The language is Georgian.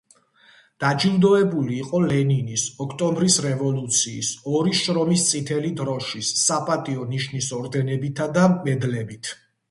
დაჯილდოვებული იყო ლენინის, ოქტომბრის რევოლუციის, ორი შრომის წითელი დროშის, „საპატიო ნიშნის“ ორდენებითა და მედლებით.